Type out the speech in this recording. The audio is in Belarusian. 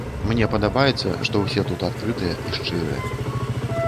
Мне падабаецца, што ўсе тут адкрытыя і шчырыя.